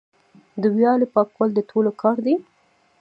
د ویالې پاکول د ټولو کار دی؟